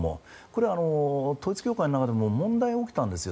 これは統一教会の中でも問題が起きたんです。